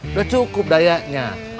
udah cukup dayanya